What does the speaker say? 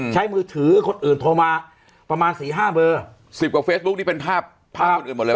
ใช้มือถือคนอื่นโทรมาประมาณ๔๕เบอร์๑๐กว่าเฟซบุ๊กนี่เป็นภาพกับคนอื่นหมดแล้ว